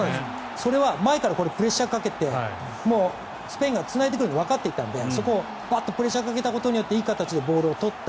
それは前からプレッシャーをかけてスペインがつないでくるのがわかっていたので、そこをバッとプレッシャーをかけたことでいい形でボールを取った。